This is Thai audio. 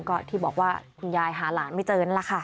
ก็ที่บอกว่าคุณยายหาหลานไม่เจอนั่นแหละค่ะ